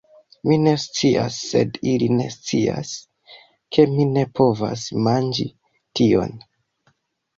Mi ne scias sed ili ne scias, ke mi ne povas manĝi tion